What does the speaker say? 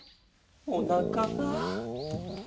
おなかが。